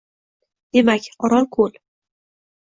Demak, Orol — ko‘l.